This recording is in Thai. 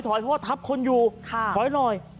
เพราะว่าทับคนอยู่ถอยหน่อย